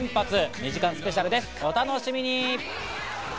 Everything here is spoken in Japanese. ２時間スペシャルです、お楽しみに。